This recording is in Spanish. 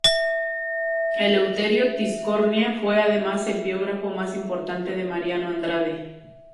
Eleuterio Tiscornia fue además el biógrafo más importante de Mariano Andrade.